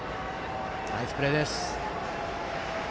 ナイスプレーです。